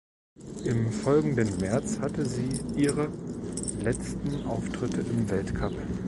Im folgenden März hatte sie ihre letzten Auftritte im Weltcup.